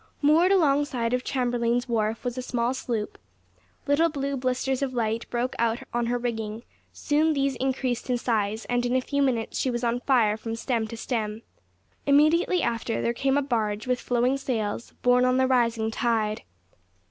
Moored alongside of Chamberlain's Wharf was a small sloop. Little blue blisters of light broke out on her rigging; soon these increased in size, and in a few minutes she was on fire from stem to stern. Immediately after, there came a barge with flowing sails, borne on the rising tide.